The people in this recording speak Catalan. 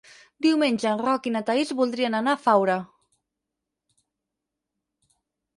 Diumenge en Roc i na Thaís voldrien anar a Faura.